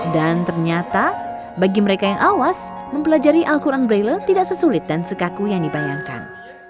dan ternyata bagi mereka yang awas mempelajari al quran brele tidak sesulit dan sekaku yang dibayangkan